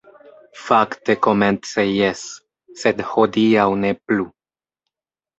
Fakte komence jes, sed hodiaŭ ne plu.